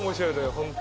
ホントに。